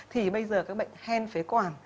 thì bây giờ các bệnh hen phế quản